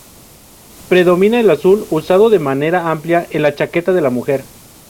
Predomina el azul usada de manera amplia en la chaqueta de la mujer.